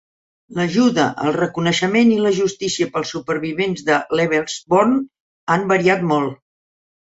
L"ajuda, el reconeixement i la justícia pels supervivents de "Lebensborn" han variat molt.